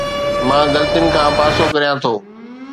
مان غلطين کان پاسو ڪريان ٿو